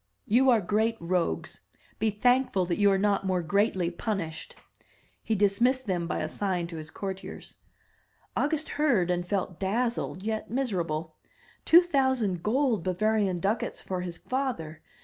"You are great rogues. Be thankful you are not more greatly punished." He dismissed them by a sign to his courtiers. August heard, and felt dazzled yet miserable. Two thousand gold Bavarian ducats for his father!